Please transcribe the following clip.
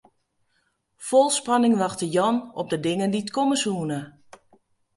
Fol spanning wachte Jan op de dingen dy't komme soene.